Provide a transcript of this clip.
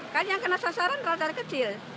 kan yang kena sasaran rakyat kecil